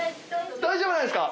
大丈夫ですか？